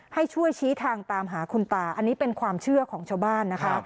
ให้ช่วยชี้ทางตามหาคุณตาอันนี้เป็นความเชื่อของชาวบ้านนะคะ